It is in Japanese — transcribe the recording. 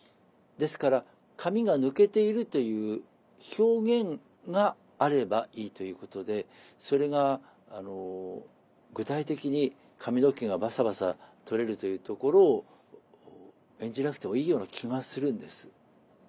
ですから髪が抜けているという表現があればいいということでそれが具体的に髪の毛がバサバサ取れるというところを演じなくてもいいような気がするんです。